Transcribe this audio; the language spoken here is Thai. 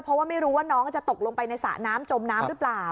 เพราะว่าไม่รู้ว่าน้องจะตกลงไปในสระน้ำจมน้ำหรือเปล่า